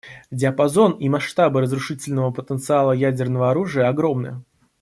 Диапазон и масштабы разрушительного потенциала ядерного оружия огромны.